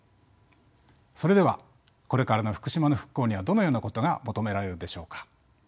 それではこれからの福島の復興にはどのようなことが求められるでしょうか？